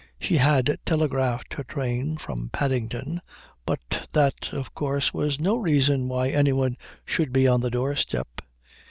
She had telegraphed her train from Paddington, but that, of course, was no reason why any one should be on the doorstep.